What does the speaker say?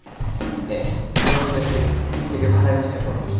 ええ財布落として結局払いましたよ報労金。